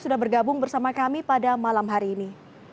sudah bergabung bersama kami pada malam hari ini